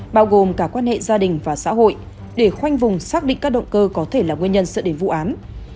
bao gồm cả quan hệ gia đình và xã hội để khoanh vùng xác định các động cơ có thể là nguyên nhân sợ đến vụ án